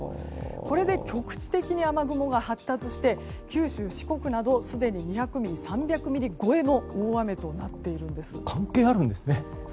これで局地的に雨雲が発達して九州・四国などすでに２００ミリ３００ミリ超えの大雨になっています。